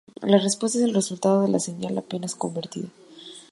La respuesta es el resultado de la señal apenas convertida.